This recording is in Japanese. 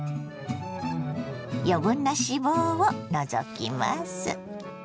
余分な脂肪を除きます。